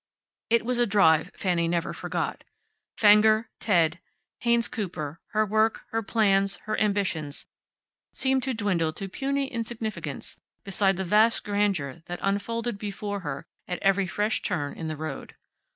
It was a drive Fanny never forgot. Fenger, Ted, Haynes Cooper, her work, her plans, her ambitions, seemed to dwindle to puny insignificance beside the vast grandeur that unfolded before her at every fresh turn in the road.